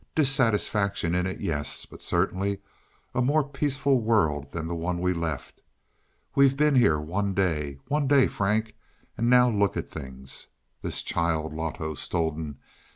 Dissatisfaction in it yes. But certainly a more peaceful world than the one we left. We've been here one day one day, Frank, and now look at things. This child, Loto stolen.